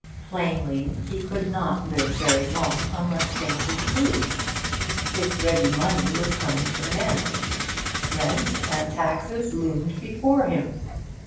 Plainly he could not live very long unless things improved. His ready money was coming to an end, rents and taxes loomed before him.